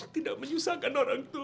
tidak menyusahkan orang tua